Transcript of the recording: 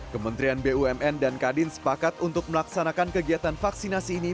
kementerian bumn dan kadin sepakat untuk melaksanakan kegiatan vaksinasi ini